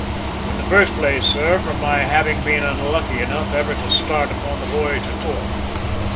"In the first place, sir, from my having been unlucky enough ever to start upon the voyage at all.